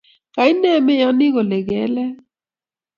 Kaine meyonii kole keleel?